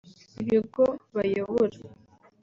ibigo bayobora